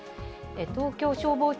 東京消防庁